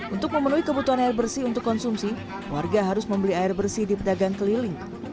untuk memenuhi kebutuhan air bersih untuk konsumsi warga harus membeli air bersih di pedagang keliling